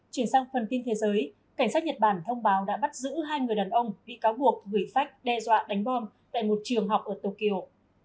chuyển sang phần tin thế giới cảnh sát nhật bản thông báo đã bắt giữ hai người đàn ông bị cáo buộc gửi phách đe dọa đánh bom tại một trường học ở tokyo